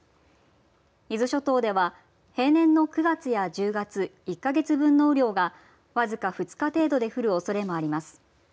伊豆諸島では平年の９月や１０月１か月分の雨量がわずか２日程度で降るおそれがあります。